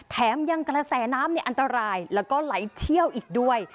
แถมยังกระแสน้ำอันตรายแล้วก็ไหลเชี่ยวอีกด้วย